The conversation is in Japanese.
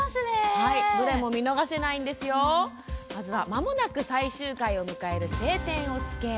まもなく最終回を迎える「青天を衝け」。